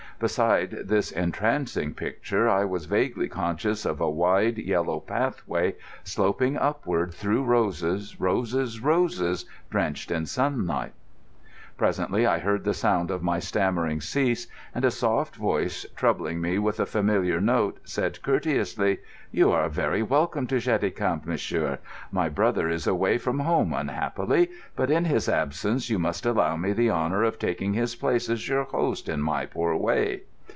Beside this entrancing picture I was vaguely conscious of a wide, yellow pathway sloping upward through roses, roses, roses drenched in sun. Presently I heard the sound of my stammering cease, and a soft voice, troubling me with a familiar note, said courteously: "You are very welcome to Cheticamp, monsieur. My brother is away from home, unhappily, but in his absence you must allow me the honour of taking his place as your host in my poor way."